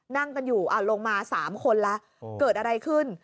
นั่งกันอยู่ลงมา๓คนแล้วเกิดอะไรขึ้น